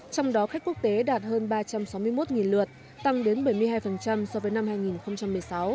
trong đó khách quốc tế đạt hơn ba trăm sáu mươi một lượt tăng đến bảy mươi hai so với năm hai nghìn một mươi sáu